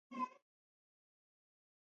په افغانستان کې بزګان شتون لري.